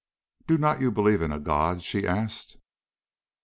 "Do not you believe in a God?" she asked.